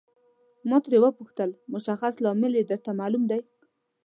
ما ترې وپوښتل مشخص لامل یې درته معلوم دی.